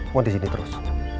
mau di sini terus